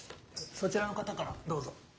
そちらの方からどうぞ。